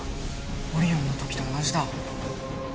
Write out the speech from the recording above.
オリオンのときと同じだ。